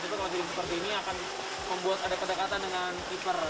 itu kalau jadi seperti ini akan membuat ada kedekatan dengan keeper